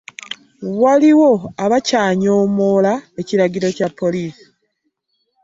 Waliwo abakyanyoomoola ekiragiro kya poliisi.